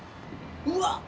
うわっ！